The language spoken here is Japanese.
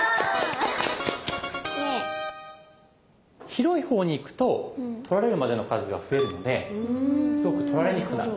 広いほうにいくと取られるまでの数が増えるのですごく取られにくくなる。